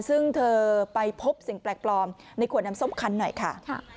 ซึ่งเธอไปพบสิ่งแปลกปลอมในขวดน้ำส้มคันหน่อยค่ะ